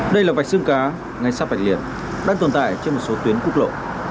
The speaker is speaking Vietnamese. đây là vạch xương cá ngay sắp vạch liền đang tồn tại trên một số tuyến quốc lộ